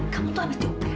kamu sudah habis dioper